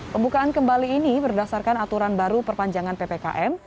pembukaan kembali ini berdasarkan aturan baru perpanjangan ppkm